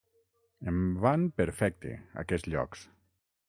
Em van perfecte, aquests llocs.